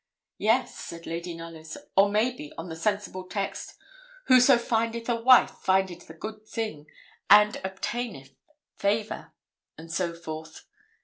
'Yes,' said Lady Knollys, 'or maybe on the sensible text, "Whoso findeth a wife findeth a good thing, and obtaineth favour," and so forth.